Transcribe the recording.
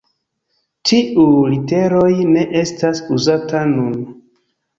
Tiuj literoj ne estas uzata nun.